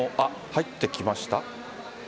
入ってきました。